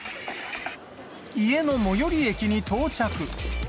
家の最寄り駅に到着。